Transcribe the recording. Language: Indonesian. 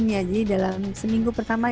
jadi dalam seminggu pertama